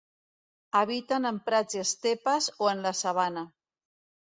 Habiten en prats i estepes o en la sabana.